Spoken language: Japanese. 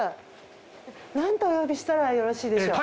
何とお呼びしたらよろしいでしょう？